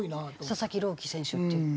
佐々木朗希選手っていう。